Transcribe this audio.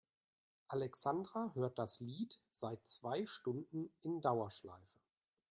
Alexandra hört das Lied seit zwei Stunden in Dauerschleife.